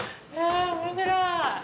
面白い。